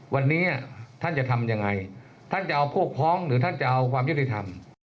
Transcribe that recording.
วันนี้ท่านจะทำยังไงท่านจะเอาพวกพ้องหรือท่านจะเอาความยุติธรรม